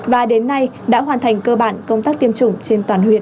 và đến nay đã hoàn thành cơ bản công tác tiêm chủng trên toàn huyện